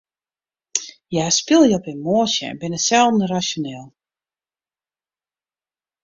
Hja spylje op emoasjes en binne selden rasjoneel.